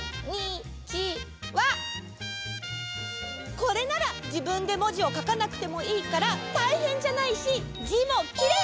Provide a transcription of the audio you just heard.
これならじぶんでもじをかかなくてもいいからたいへんじゃないしじもきれい！